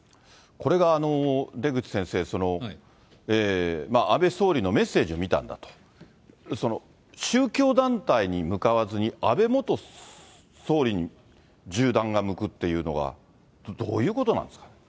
これが出口先生、安倍総理のメッセージを見たんだと、その宗教団体に向かわずに、安倍元総理に銃弾が向くっていうのが、どういうことなんですかね。